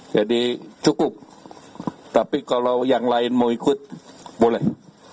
jadi cukup tapi kalau yang lain mau ikut boleh